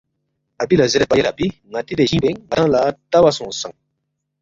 اپی لہ زیریدپا، ”یلے اپی ن٘تی دے جِنگ پو ینگ ن٘دانگ لہ تاوا سونگسنگ